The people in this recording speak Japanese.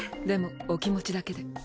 でもお気持ちだけで。